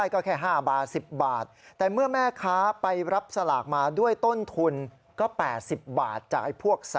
โรงพักโรงพักโรงพัก